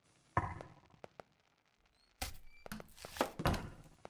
Robertson en el Territorio Antártico Australiano.